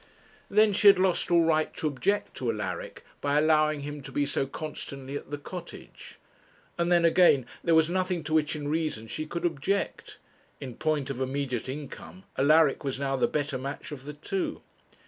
Then she had lost all right to object to Alaric, by allowing him to be so constantly at the Cottage; and then again, there was nothing to which in reason she could object. In point of immediate income, Alaric was now the better match of the two.